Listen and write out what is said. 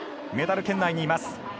メダル圏内にいます。